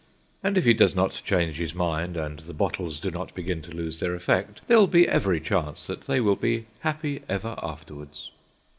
And if he does not change his mind, and the bottles do not begin to lose their effect, there will be every chance that they will be happy ever afterwards.